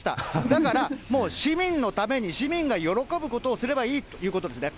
だから、もう市民のために、市民が喜ぶことをすればいいということですね。